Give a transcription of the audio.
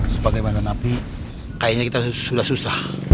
sebagai bandaran api kayaknya kita sudah susah